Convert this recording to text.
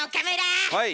はい。